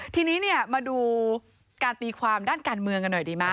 ทีนี้มาดูการตีความด้านการเมืองกันหน่อยดีไหม